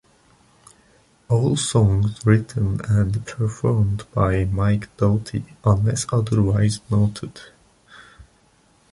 All songs written and performed by Mike Doughty unless otherwise noted.